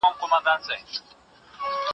په خوب کي به نشه ومه نشه به مي کوله